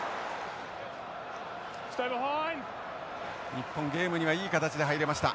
日本ゲームにはいい形で入れました。